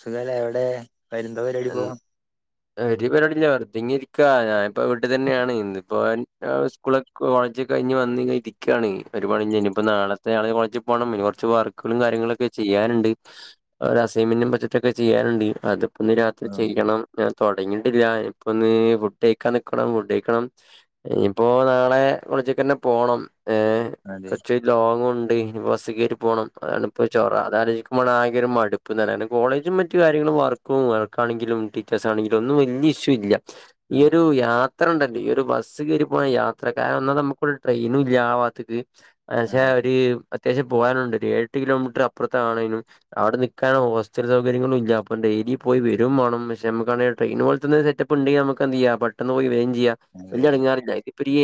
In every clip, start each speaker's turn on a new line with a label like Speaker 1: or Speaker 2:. Speaker 1: സുഖല്ല എവിടെ വരന്തവര് അടി
Speaker 2: ഉം,
Speaker 1: പോവാ
Speaker 2: ഒരു പരിപാടില്ല വറുെങ്ങിരിക്കാ ഞാനിപ്പോ വീട്ട തന്നെയാണ് ഇന്ന്ിപ്പോൻ സ്കൂള കോളേജ്ക്ക കഴിഞ് വന്ന് ഇരിക്കയാണ് ഒരുപാട് ഇ ഇപ്പോ നാളത്തെ ആളെ കോളേജിൽ പോകണം കുറച്ച് വർക്കുകളും കാര്യങ്ങളൊക്കെ ചെയ്യാനുണ്ട് അസൈൻമെന്റും പച്ചിട്ടൊക്കെ ചെയ്യാനുണ്ട് അത് അപ്പൊന്ന് രാത്രി
Speaker 1: ഉം
Speaker 2: ചെയ്യണം ഞാൻ തുടങ്ങിയിട്ടില്ലയിപ്പോൊ ഒന്ന് ഫുഡ് കഴക്കാൻ നക്കണം ഫുഡ് കഴിക്കണം ഇനിയിപ്പോ നാളെ ളിച്ചേക്ക്ന്നെ പോണം ഏ
Speaker 1: അതെ
Speaker 2: കൊറച്ച ലോങ്ങ ഉണ്ട് ഇനിൾ ബസ കയറി പോകണം അതാണ് ഇപ്പോൾ ചോറ അത ആലോചിക്കുമ്പോ ആങ്കര മടുപ്പ്ന്നല്ല കോളേജ മു കാര്യങ്ങളും വർക്ക്ും ർക്കാണെങ്കിലും ടീച്ചേഴ ആണെങ്കിലും ഒന്നും വലിയ ഇഷ്യൂ ഇല്ല ഈ
Speaker 1: ആഹ്
Speaker 2: ഒരുയാത്ര അത്രണ്ടല്ലേ ഈ ഒരു ബസ്സ് കയറി പോ യാത്രക്കാരൻ വന്നാൽ നമുക്കരു ട്രെയിനും ഇല്ലാവാത്ത ആക്ഷാ
Speaker 1: ആഹ്
Speaker 2: ഒരു അത്യാവശ്യം പോകാനുണ്ട് ഒരു എട്ട് കിലോമീറ്റർ അപ്പുറത്ത ആണേങ്കിലും അവിടെ നിിക്കാനൻ ഹോസ്റ്റൽ സൗകര്യങ്ങളും ഇല്ല അപ്പരി പോയി വേണം പക്ഷെ നമുാണെ ട്രെന പോലത്ത സെറ്റപ്പ ഉണ്ടെങ്ക നമുക്ക്െന്ത്്യ പെട്ട പോ വരയും ചെയ്യാം
Speaker 1: അതെ
Speaker 2: വല്യാടങ്ങിഞ അഞ്ഞ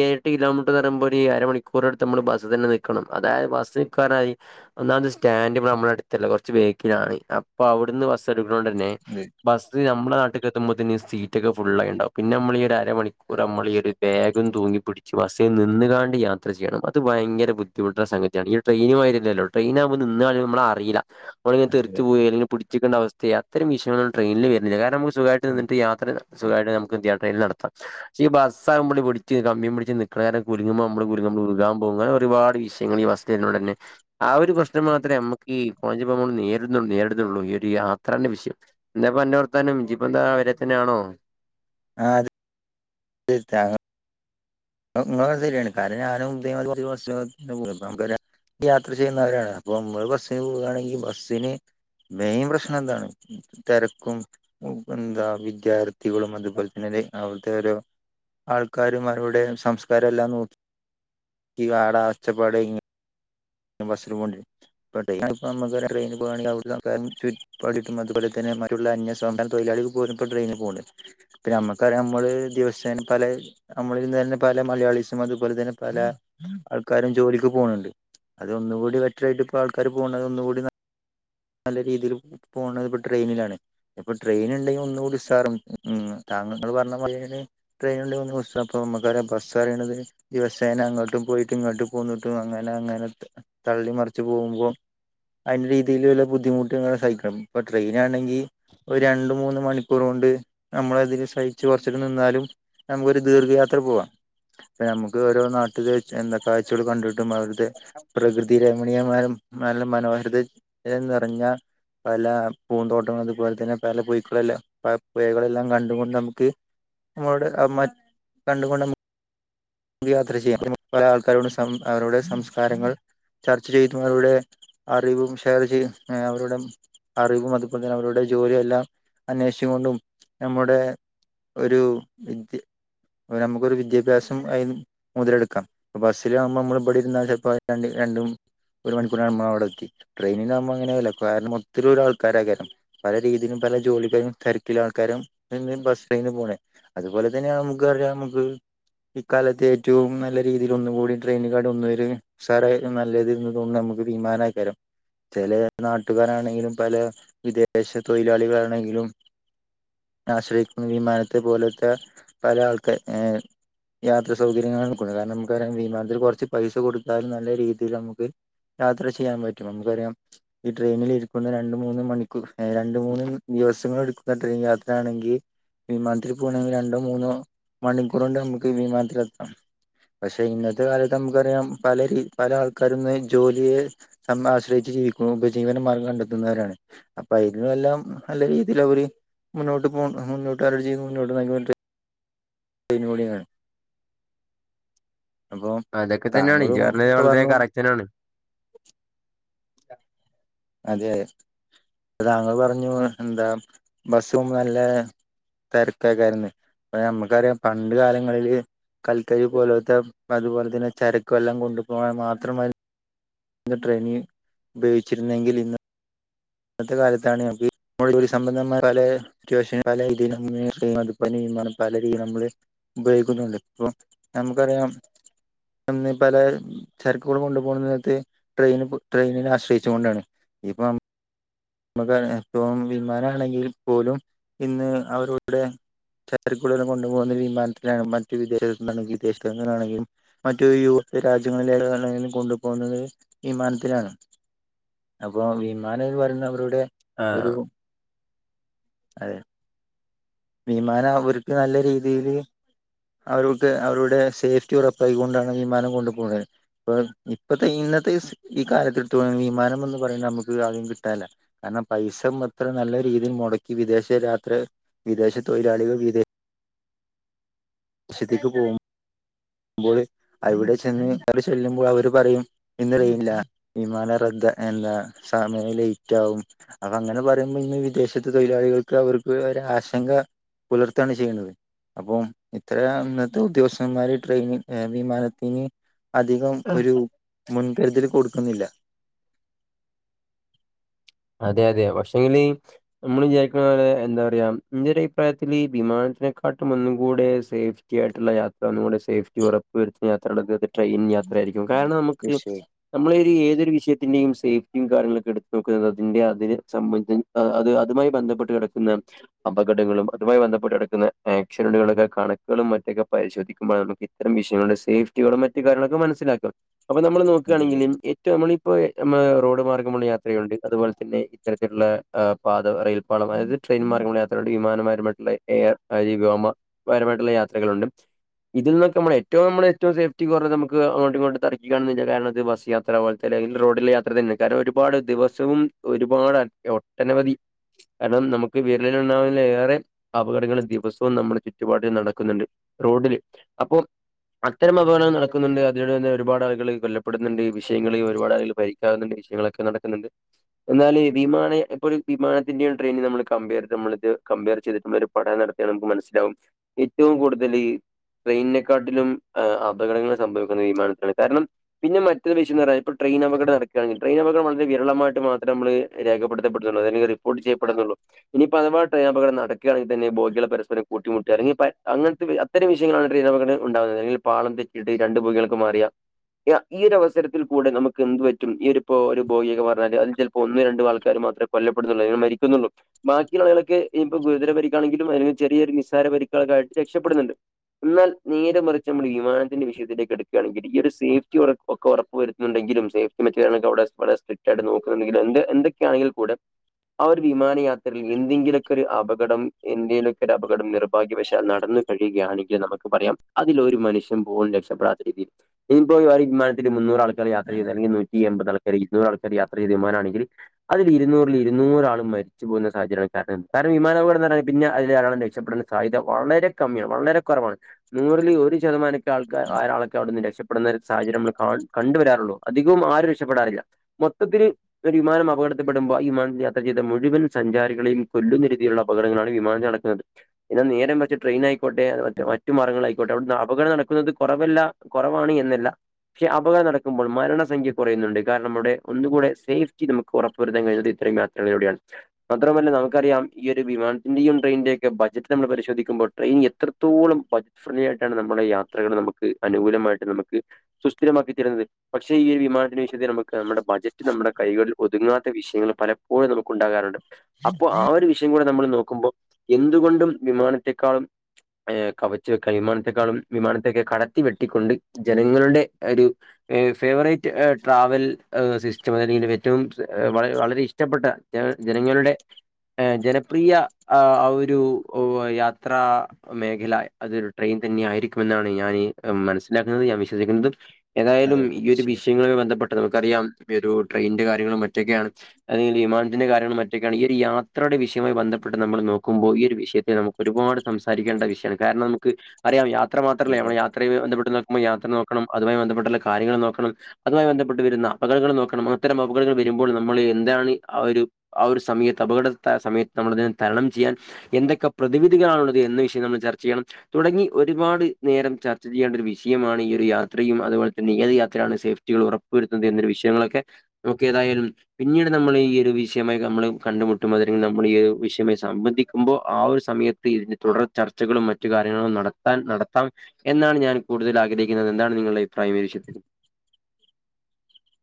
Speaker 2: ഏഴട്ട് കിലോമീറ്റർ തയമ്പ്പോൾ ഒരു അരമണിക്കൂറിടുത്ത് നമ്മൾ ബസ്സ് തന്നെ നൽക്കണം അതായത് ബസ് നിൽക്കാനായി ഒന്നാമത്തെ സ്റ്റാൻഡ ഇ നമ്മളടുത്തല്ല കുറച്ച് ബേക്കിലാണ് അപ്പൊ അവിടുന്ന് ബസ്സ എടുക്കണ്ട
Speaker 1: അതെ
Speaker 2: ബസ്തി നമ്മുടെ നാട്ട സീറ്റൊക്കെ ഫുള്ളൾായിയിുണ്ടാവും പിന്നെ നമ്മൾ ഈ അര മണിക്കൂർ നമ്മൾ ഈ ഒരു ബാഗും തൂങ്ങി പിടിച്ച് ബ നിന്നുകാണ്ട്‌ യാത്ര ചെയ്യണം അത് ഭയര ബുദ്ധിമുട്ട സഗതിയാണ് ട്രെയിനമാതിരിയല്ലല്ലോ ട്രെയിന ആകുമ്പോൾ നിന്ന് അറീല മ്മള് തെറിച്ച്
Speaker 1: അതെ
Speaker 2: പോയി പിടിച്ചക്കണ്ട അവസ്ഥ അ ട്രെനിൽ വരുന്നില്ല കാരണം മ്മക്ക് സുഖായിട്ട് നിന്നിട്ട്‌ യാത്ര സുഖായിട്ട് നമുക്ക് എന്ത്യ്യാ ട്രെനിൽ നടത്താം പക്ഷെ ഈ ബസാ നമ്മൾ പിടിച്ച് കമ്പിയും പിടിച്ച് നൽക്കണ നേര കുലുങ്ങുമ്പോൾ നമ്മൾ കുലുങ്ങുമ്പൾ വികാൻ പോകും അങ്ങെ ഒരുപാട് വിഷയൾ ഈ ബസിനോട് തന്നെ ആ ഒരു പ്രശ്നം മാത്രമേ നമ്മുക്ക് ഈ കോളേജി പോക്കുമ്പോൾ നേരിള്ളൂ നേരിടുന്നുള്ളൂ ഈ ഒരു യാത്രന്റെ വിഷയം എന്താപ്പ അന്നോർത്താനും ജിപ്പം എന്താ അവരെ തന്നെണോ
Speaker 1: ആഹ അത [unintelligible] ങ്ങ ശരിയാണ് കാരണം ഞാനും [unintelligible] നമുക്ക യാത്ര ചെയ്യുന്നവരാണ് അപ്പൊ നമ്മള് ബസ്സിന് പോവുകയാണെങ്കിൽ ബസ്സിന് മെയിൻ പ്രശ്നം എന്താണ് തിരക്കും എന്താ വിദ്യാർത്ഥികളും അതുപോലെ തന്നെ അവിടുത്തെ ഓരോ ആൾക്കാരും അവരുടെ സംസ്കാരം എല്ലാം നോക്കി ഈ ആട അച്ചപ്പാട ഇ ബസിന് പോകേടയി ട്രെയി [unintelligible] പോണെങ്കിൽയിട്ടും അതുപോലെ തന്നെ മറ്റുള്ള അന്യസം തൊഴിലാളിക്ക് പോകുന്ന ഇപ്പോ ട്രെയിനി പോകുന്നുണ്ട് നമുക്ക നമ്മള് ദിവസേം പല നമ്മളിന്ന് തന്നെ പല മലയാളിസും അതുപോലെ തന്നെ പല ആൾക്കാരും ജോലിക്ക് പോകുന്നുണ്ട് അതൊന്നുകൂടി ബെറ്ററായിട്ട് ഇപ്പ ആൾക്കാര് പോകണം അത ഒന്നുകൂടി നല്ല രീതിയിൽ പോകണത്പ്പോ ട്രെയിനിലാണ് ഇപ്പൊ ട്രെയിൻ ഉണ്ടെങ്കിൽ ഒന്നുകൂടിസാറും താങ്ങ്ങള് പറഞ്ഞ ട്രെയിന അ നമുക്കറ ബസ് അ പറയണത് ദിവസേന അങ്ങോട്ടും പോയി പോയിട്ട് ഇങ്ങോട്ട് പോന്നിട്ടും അങ്ങനെ അങ്ങനെ തള്ളി മറിച്ച് പോകുമ്പോ അതിന്റെ രീതിയി ബുദ്ധിമുട്ടൾ സഹിക്കണം ഇപ്പൊ ട്രെയിൻ ആണെങ്കിൽ ഒരു രണ്ട് മൂന്ന് മണിക്കൂർ കൊണ്ട് നമ്മള അതിൽ സഹിച്ച് കുറച്ചട്ട് നിന്നാലും നമുക്കൊരു ദീർഘയാത്ര ട്രിപ്പ്‌ പോകാം നമുക്ക് ഓരോ നാട്ടിൽ എന്തൊക്കെ കാഴ്ചകൾ കണ്ടിട്ട് ട്ട് [unintelligible] പ്രകൃതി രമണീയമായ [unintelligible] മനോഹാരിത നിറഞ്ഞ പല പൂന്തോട്ടം അതുപോലെ തന്നെ പല പുഴുകാളെല്ലാം പ പുഴകളെല്ലാം കണ്ടു കൊണ്ട് നമുക്ക് നമ്മളോട് മ കണ്ടുകൊണ്ട് യാത്ര ചെയ്യാ പല ആൾക്കാരോടും സം അവരുടെ സംസ്കാരങ്ങൾ ചർച്ച ചെയ്യുന്നവരുടെ അറിവും ഷെയർ ചെയ്യ അവരുടെ അറിവും അതുപോലെ തന്നെ അവരുടെ ജോലിയ എല്ലാം അന്വേഷിച്ചുകൊണ്ടും നമ്മുടെ ഒരു വിദ്യ നമുക്കൊരു വിദ്യാഭ്യാസം അയ്ന്ന് മൊതലെടുക്കാം ബസ്സിൽ ആകുമ്പോൾ നമ്മൾ ഇവടെരുന്ന ചിലപ്പോ ര രണ്ടും ഒരു മണിക്കൂറോണ്ട് നമ്മള അവിടെത്തി ട്രെയിനിലാവുബം അങ്ങനെയല്ല കാരണം ഒത്തിരി ആൾക്കാര കാരണം പല രീതിയിലും പല ജോലിക്കാരും തിരക്കിലും ആൾക്കാര ന്ന് ബസ്സിന്ന് പോണ അതുപോലെ തന്നെ നമുക്ക് അറിയ നമുക്ക് ഇക്കാലത്ത് ഏറ്റവും നല്ല രീതിയിൽ ഒന്നുകൂടി ട്രെയിന് കളിലൊന്നില് [unintelligible] നമുക്ക് വിമാനക്കിയാലോ ചില നാട്ടുകാരാണെങ്കിലും പല വിദേശ തൊഴിലാളികളാണെങ്കിലും ആശ്രയിക്കുന്ന വിമാനത്തെ പോലത്തെ പല ആൾക്ക ഏ യാത്രാ സൗകര്യങ്ങൾ കാരണം നമുക്കറിയാം വിമാനത്തിൽ കുറച്ച് പൈസ കൊടുത്താലും നല്ല രീതിയിൽ നമുക്ക് യാത്ര ചെയ്യാൻ പറ്റും നമുക്കറിയാം ഈ ട്രെയിനിൽ ഇരിക്കുന്ന രണ്ട് മൂന്ന് മണിക്കൂർ രണ്ട് മൂന്ന് ദിവസങ്ങള് എടു ട്രെയിൻ യാത്രയാണെങ്കിൽ വിമാനത്തിൽ പോകണമെങ്കിൽ രണ്ടോ മൂന്നോ മണിക്കൂർ കൊണ്ട് നമുക്ക് വിമാനത്തിൽ എത്താം പക്ഷെ ഇന്നത്തെ കാലത്ത് നമുക്കറിയാം പല രീ പല ആൾക്കാരുംന്ന് ജോലിയെ ആശ്രയിച്ച് ജീവിക്കുന്ന ഉപജീവന മാർഗം കണ്ടെത്തുന്നവരാണ് അപ്പൊ അതിനും എല്ലാം നല്ല രീതിൽ അവര് മുന്നോട്ട് പോ [unintelligible] [unintelligible]
Speaker 2: അതൊക്കെ തന്നെയാണ് ജ്
Speaker 1: താങ്കളും
Speaker 2: പറഞ്ഞത്
Speaker 1: ഇപ്പൊ
Speaker 2: വളരെ
Speaker 1: പറഞ്ഞു
Speaker 2: കറക്റ്റ്താന്നാണ്
Speaker 1: അതെ താങ്കൾ പറഞ്ഞു എന്താ ബസും നല്ല തിരക്കൊക്കെ ആരുന്നു അപ്പൊ നമ്മുക്കറിയാം പണ്ട് കാലങ്ങളില് കൽക്കരി പോലത്തെ അതുപോലെ തന്നെ ചരക്ക് എല്ലാം കൊണ്ടു പൊക്കാൻ മാത്രമ ട്രെയിനി ഉപയോഗിച്ചിരുന്നെങ്കിൽ ഇന്ന് ഇന്നത്തെ കാലത്താണ് അഭി [unintelligible] ഉപയോഗിക്കുന്നുണ്ട് അപ്പൊ നമുക്കറിയാം ഇന്ന് പല ചരക്കുകള് കൊണ്ടുപോകുന്നതിനകത്ത് ട്രെയിൻ ട്രെയിനെ ആശ്രയിച്ചു കൊണ്ടാണ് ഇപ്പം നമുക്ക് ഇപ്പം വിമാനമാണെങ്കിൽ പോലും ഇന്ന് അവരുടെ ചരക്ക് കൂടുതലും കൊണ്ടുപോകുന്ന വിമാനത്തിലാണ് മറ്റു വിദേശത്തു നിന്നെങ്ക വിദേശത്തു നിന്നാണെങ്കിൽ മറ്റ യ രാജ്യങ്ങളിലേ കൊണ്ടുപോകുന്നത് വിമാനത്തിലാണ് അപ്പൊ വിമാന പറ ഒരു
Speaker 2: ആഹ്
Speaker 1: അതെ വിമാനം ഒരുക്ക് നല്ല രീതിയില് അവർക്ക് അവരുടെ സേഫ്റ്റി ഉറപ്പായികൊണ്ടാണ് വിമാനം കൊണ്ടു പോണത് ഇപ്പ ഇപ്പഴത്തെ ന്നത്തെ ഈ കാലത്തിടു വിമാനന്ന് പറയ് നമുക്ക് അധികം കിട്ടന്നില്ല കാരണം പൈസ അത്ര നല്ല രീതിയിൽ മുടക്കി വിദേശ യാത്ര വിദേശ തൊഴിലാളികൾ വി വിദേശത്തേക്ക് പോക്കും പ്പോൾ അവിടെ ചെന്ന് ചൊല്ലുമ്പോൾ അവര് പറയും ഇന്നറിയില്ല വിമാന റദ്ദ എന്താ സമയ ലേറ്റ് ആകും അപ്പൊ അങ്ങനെ പറയുമ്പോ വിദേശ തൊഴിലാളികൾക്ക് അവ ആശങ്ക പുലർത്തുകയാണ് ചെയ്യുന്നത് അപ്പം ഇത്ര ഇന്നത്തെ ഉദ്യോഗസ്ഥന്മാര് ട്രെയിനി വിമാനത്തിന് അധികം ഒരു മുൻകരുതൽ കൊടു ക്കുന്നില്ല
Speaker 2: അതെ അതെ പക്ഷെങ്കിൽ നമ്മള് വിചാരിക്കണ പോലെ എന്താ പറയാ എന്റെ ഒരു അഭിപ്രായത്തിൽ വിമാന തിനെക്കാട്ടും ഒന്നും കൂടെ സേഫ്റ്റി ആയിട്ടുള്ള യാത്ര ഒന്ന കൂടെ സേഫ്റ്റി ഉറപ്പ് വരുത്തുന്ന യാത്ര ട്രെയിൻ യാത്ര ആയിരിക്കും കാരണം നമുക്ക്
Speaker 1: തീർച്ചയായും
Speaker 2: നമ്മള ഒരു ഏത് ഒരു വിഷയത്തിന്റെയും സേഫ്റ്റിയും കാര്യങ്ങളൊക്കെ എടുത്ത് നോക്കുന്നത് അതി അതിനെ സംന്ധ അത് അതുമായി ബന്ധപ്പെട്ട് കിടക്കുന്ന അപകടങ്ങളും അതുമായി ബന്ധപ്പെട്ട് കിടക്കുന്ന ആക്‌സിഡന്റ് കളൊക്കെണക്കും മറ്റൊക്കെ പരിശോധിക്കുമ്പോ ന ഇരം വിഷയങ്ങള സേഫ്റ്റികളും മറ്റ കാര്ങ്ങളൊക്കെ മനസ്സിലാക്കും അപ്പ നമ്മൾ
Speaker 1: അതെ
Speaker 2: നോക്കുകയാണെങ്കിലും ഏറ്റവും നമ്മളിപ്പോ റോഡ് മാർഗ്ഗം യാത്രയുണ്ട് അതുപോലെ തന്നെ ഇത്തരത്തിലുള്ള പാത റെയിൽ പാളം അതായത് ട്രെയിൻ മാർഗം യാത്ര വിമാന ട്ടുള്ള എയർ വ്യോമപരമായിട്ടുള്ള യാത്രകളുണ്ട് ഇതിൽന്നക്കെമ്മ ഏറ്റവും നമ്മ ഏറ്റവുംസേഫ്റ്റി കുറഞ്ഞത് നമുക്ക് അങ്ങോട്ടും ഇങ്ങോട്ടും തർക്കിക്കാൻ കാരണത് ബസ്സ് യാത്ര പോല റോഡിൽ യാത്ര തിന്നെ കാരണം ഒരുപാട് ദിവസവും ഒരുപാട് ഒട്ടനവധി കാരണം നമുക്ക് വിരലില ഉണ്ടാവുന്ന ഏറെ അപകടങ്ങളും ദിവസവും നമ്മുടെ ചുറ്റുപാടും നടക്കുന്നുണ്ട് റോഡില് അപ്പോഅത്തരം അപകടം നട ക്കുന്നുണ്ട്. അതി തന്നെ ഒരുപാട് ആളുകൾ കൊല്ലപ്പെടുന്നുണ്ട്ഈ വിഷയങ്ങള് ഒരുപാട് ആളുകൾ ഭരിക്കാവുന്നുണ്ട് വിഷയങ്ങളൊക്കെ നടക്കുന്നുണ്ട് എന്നാലല് വിമാന ഇ ഒരു വിമാനത്തിന്റെയും ട്രെയിന് നമ്മള് കർ നമ്മ കമ്പയർ ചെയ്തിട്ടുള്ള പഠനം നടത്തിയാ നമുക്ക് മനസ്സിലാവും ഏറ്റവും കൂടുതൽ ഈ ട്രെയിനിനെക്കാട്ടുംഹ അപകടങ്ങൾ സംഭവിക്കുന്ന വിമാനാണ് കാരണം പിന്നെ മറ്റരു വിഷംന്ന് പറ ഇട്രെയി അകട നടക്കുകയാെങ്കിൽെയി അപക വളരെ വിരളമായി് മാത്രം നമ്മള് രേഖപ്പെടുത്തപ്പെടുന്നുള്ള അല്ലെിൽ റിപ്പോർട്ട് ചെയ്യപ്പെടുന്നുള്ളൂ ഇനി അഥവാ ട്രെയിൻ അപകടം ബോഗികൾ പരസ്പരം കൂട്ടിമുട്ടി ഇറങ്ങി അങ്ങനത്തെ അത്തരം വിഷയങ്ങളാണ് ഉണ്ടാവുന്നത്ങ്കിൽ പാളം തെറ്റിയിട്ട് രണ്ട് പൊഗികൊക്കെ മാറിയ ഈരവസരത്തിൽ കൂടെ നമുക്ക് എന്ത്‌ പറ്റും ഈ ഒരുപ്പോ ഒരു ഭൗോഗിക അ ചിലപ്പോ ഒന്ന് രണ്ടും ആൾക്കാരർ മാത്രേ കൊല്ലപ്പെടുന്നുള്ള മരിക്കുന്നുള്ളൂ ബാക്കി ആളുകൊെ ഇനി ഗുരുതര പാര ചെറിയരു നിസ്സാര പരിക്കായിട്ട് രക്ഷപ്പെടുന്നുണ്ട് എന്നാൽ നേരെ മറിച്ച് നമ്മ വിമാനത്തിന്റെം വിഷയത്തിലേക്ക് എടുക്കയാണെങ്കിൽഈ ഒരു സേഫ്റ്റി ഉറപ്പ വരുന്നുണ്ടെങ്കില സേഫ്റ്റിറ്റരിവി സ്ട്രിക്റ്റ് യിട്ട് നോക്കുന്നുണ്ടെങ്കിൽ എന്തൊക്കെയാണെങ്കില കൂടെ ആ ഒരു വിമാനയാത്രയിൽ എന്തെങ്കിലുമൊക്കെ ഒരു അപകടം ഇന്ത്യയിലൊക്കെ ഒരു അപകടം നിർഭാഗ്യവശാൽ നടന്ന കഴിയുകയാണെങ്കിൽ നമുക്ക് പറയാം അതിൽ ഒരു മനുഷ്യൻ പോും രക്ഷപ്പെടാത്ത രീതിയിൽ ഇനിപ്പോ വിമാനത്തിൽ മുന്നൂറ ആൾ യാ ചെയ്തെങ്ക നൂറ്റി എൻപത് നക്കുന്ന യാത്ര ചെയ്ത് വിമാനമാണെങ്കിൽ അതിൽ ഇരുന്നൂറിൽ ഇരുന്നൂറാളും മരിച്ചു പോകുന്ന സാഹചര്യമാണ് കാരണം വിമാനപകട പിന്നെ അയ്ൽ ധരാളം രക്ഷപ്പെടൻ സാധ്യത വളരെ കമ്മ്യാണ് വളരെ കൊറവാണ് നൂറിൽ ഒര് ശതമാനം ആൾക്കാ ആരാളൊക്കെ അവിട്ന്ന് രക്ഷപ്പെടുന്ന ഒരു സാഹചര്യം അമ്മൾ കാൺ കണ്ടുവരാറൊള്ളൂ അധികും ആരും രക്ഷപ്പെടാറില്ല മൊത്തത്തില് ഒരു വിമാനം അപകടത്തിപ്പെട്മ്പോ ഈ വിമാനത്തി യാത്ര ചെയ്ത മുഴുവൻ സഞ്ചാരികളെയും കൊല്ലുന്നെര് രീതി [unintelligible] യില്ള്ള ങ്ങളാണ് വിമാനം നടക്ക്ന്നത് എന്നാ നേരം വെച്ച് ട്രെയി ആയിക്കോട്ടെ
Speaker 1: അതെ
Speaker 2: മറ്റു മാർഗങ്ങളായിക്കോട്ടെ അവിട് അപകട നടക്കുന്നത് കൊറവല്ല കൊറവാണ് എന്ന് ഇല്ല ക്ഷെ അപകടം നടക്കുമ്പോൾ മരണസംഖ്യ കൊറയുന്നുണ്ട് കാര്ണം മ്മുടെ ഒന്നുകൂടെ സേഫ്റ്റി നമുക്ക് ഒറപ്പുവരുത്തൻ [unintelligible] കഴി [unintelligible] ഞ്ഞെട്ട് ഇത്രയും യാത്രകിലൂടെയാണ് മാത്രമല്ല നമക്കറിയാം ഈ ഒരു ന്നാന്റീയും ട്രെയിന്റെക്കെ ബജറ്റ് നമ്മൾ പശോധിക്കുമ്പോൾ ടെയിൻ എത്രത്തോളം ബ [unintelligible] ജ് ഫ്രീ ആയിട്ടാണ് നമ്മളെ യാത്ര നമക്ക് അനുകൂലമായിട്ട് നമക്ക് സുസ്ഥിരമാക്കി തെരുന്നത് പക്ഷേ ഈ ഒരു വിമാനത്തി [unintelligible] നമക്ക് നമ്മൊടെ ബജറ്റ് നമ്മുടെ കൈകളിൽ ഒതുങ്ങാത്ത വിഷയങ്ങൾ പലപ്പോഴും നമുക്ക് ഉണ്ടാകാറ്ണ്ട് അപ്പൊ ആ ഒരു വിഷയം കൂടെ നമ്മൾ നോക്കുമ്പൊ എന്തുകൊണ്ടും വിമാനത്തെക്കാളും ഏഹ് കവച്ച്‌ വെക്കാൻ വിമാനത്തെക്കാളും വിമാനത്തെക്കെ കടത്തി വെട്ടിക്കൊണ്ട് ജനങ്ങള്ടെ എരു ഏഹ് ഫേവറേറ്റ് ട്രാവൽ ഹ് സിസ്റ്റം അത [unintelligible] വേറ്റവും [unintelligible] വളരെ വളരെ ഇഷ്ടപ്പെട്ട ജ [unintelligible] ജനങ്ങളുടെ ഏഹ് ജനപ്രിയ ആഹ് ഒരു യാത്രാ മേഖല അതൊരു ട്രെയിൻ ഇതെന്നെ ആയിരിക്കു മെന്നാണ് ഞാനീ മനസിലാക്കുന്നത് ഞാൻ വിശ്വസിക്കുന്നത് ഏതായാലും
Speaker 1: അതെ
Speaker 2: ഈ ഒരു
Speaker 1: തീർച്ചയായും
Speaker 2: വിയങ്ങള്ല് ബന്ധപ്പെട്ട് നമുക്ക് തടിയാം വെരൂ ട്രെയ്ന്റെ കാര്യങ്ങളും മറ്റൊക്കെയാണ് അൽ വിമാനത്തിന്റെ കാര്യങ്ങളും മറ്റൊക്കേണ് ഈ ഒരു യാത്രയുടെ വിശ് ക്ക്യുമായി ബന്ധപ്പെട്ട് നമ്മള് നോക്കുമ്പോ ഈ ഒരു വിഷയത്തിൽ നമുക്ക് ഒരുപാട് സംസാരിക്കേണ്ട വിഷ്യാണ് കാര്ണം നമുക്ക് അറിയാം യാത് ത്രല്ല
Speaker 1: അതെ
Speaker 2: നമ്മെളെ യാത്രയെ [unintelligible] ബന്ധപ്പെട്ട് നോക്കുമ്പോ യാത്ര നോക്കണം അതുമായി ബന്ധപ്പെട്ട്ള്ള കാര്യങ്ങള് നോക്കണം അതുമായി ബന്ധപ്പെട്ട വെരുന്ന അപകടങ്ങള് നോക്കണം. അത്തരം അപകടങ്ങൾ വെരുമ്പോൾ നമ്മൾ എന്താണ് ആഹ് ഒരു ആ ഒരു സമയത്ത് അപകട ഹ സമയത്ത് നമ്മളതിനെ ത്തരണം ചെയ്യാൻ എന്തൊക്കെ പ്രതിവിധികളാണ് ഇള്ളത് എന്ന് വിഷയങ്ങൾ [unintelligible] നമ്മൾ ചർച്ച ചെയ്യണം തുടങ്ങി ഒരു ഒരുപാട് നേരം ചർച്ച ചെയ്യേണ്ടൊരു വിഷ്യമാണ് ഈ ഒരു യാത്രയും അതുപോലെ തന്നെ ഏത് യാത്രയാണ് സേഫ്റ്റികൾ ഉറപ്പ- പൊരുത്തം തന്നെ ഒരു വിഷ്യയങ്ങളൊക്കെ നമുക്കേ തായാലും പിന്നീട് നമ്മള് ഈ ഒരു വിഷ്യയമായി നമ്മള് കണ്ട്മുട്ടും അതി- നമ്മള് ഈ ഒഹ് [unintelligible] വിഷ്ഷ്യം മെ സംബന്ധിക്കുമ്പോ ആ ഒരു സമയത്ത് ഇതിന് തൊടർ ചർച്ചകളും മറ്റു കാര്യങ്ങളും നടത്താൻ എൻ നടത്താം എന്നാണ് ഞാൻ കൂടുതൽ ആഗ്രഹിക്കുന്നത് എന്താണ് നിങ്ങളുടെ അഭിപ്രായം [unintelligible]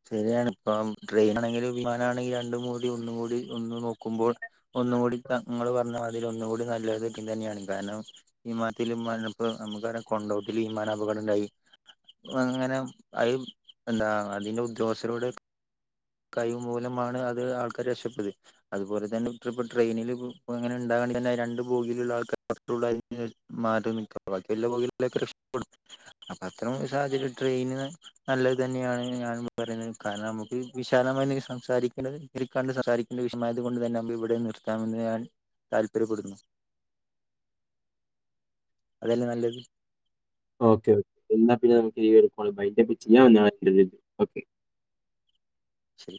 Speaker 1: ശരിയാണ് ഇപ്പം ട്രെയിൻ ആണെങ്കിൽ വിമാനമാണെങ്കിൽ രണ്ട്മൂടി ഒന്ന്മൂടി ഒന്ന് നോക്കുമ്പോൾ ഒന്നുകൂടി ത ങ്ങള് പർഞ്ഞമാതിരി അതിലൊന്നുകൂടി നല്ലത് [unintelligible] ന്നെയാണ് കാര്ണം വിമാനത്തില് മലപ്പുറം നമുക്കറിയാ കൊണ്ടോട്ടില് വിമാന അപകട കടണ്ടായി അങ്ങനേം അയ് എന്താ അതിന്റെ ഉദ്യോഗസ്ഥരോട് കൈവ് മൂലമാണ് അത് ആൾക്കാര് രക്ഷപ്പെട്ടത് അതുപോലെ തന്നെ [unintelligible] ട്രെയിനില് പ്പൊ അങ്ങനെണ്ടാ [unintelligible] രണ്ട് ബോഗിലുള്ള ആൾക്കാര് മാത്രൊള്ളു [unintelligible] അപ്പൊ അത്തരം സാഹചര്യ ട്രെയിന് നല്ലത് തന്നെയാണ് ഞാൻ പറയുന്നത് കാരണം നമുക്ക് ഈ വിശാലമായിനിക്ക് സംസാരിക്കേണ്ടത് [unintelligible] സംസാരിക്കണ്ട വിഷമായത് കൊണ്ട് തന്നെ നമ്മള് ഇവിടെ നിർത്താമെന്ന് ഞാൻ താല്പര്യപ്പെടുന്നു അതല്ലെ നല്ലത്
Speaker 2: ഓക്കെ ഓക്കെ എന്നാ പിന്നെ നമുക്ക് ഈ ഒരു കാൾ വൈന്റപ്പ് ചെയ്യാൻ വല്ല്യ താല്പര്യം ഇല്ലൻക്ക് ഓക്കേ
Speaker 1: ശരി